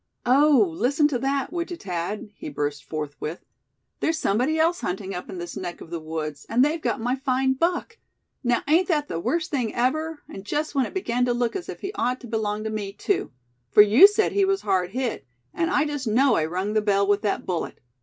"Oh! listen to that, would you, Thad?" he burst forth with. "There's somebody else hunting up in this neck of the woods, and they've got my fine buck! Now, ain't that the worst thing ever; and just when it began to look as if he ought to belong to me, too; for you said he was hard hit; and I just know I rung the bell with that bullet.